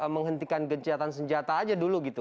menghentikan gencatan senjata aja dulu gitu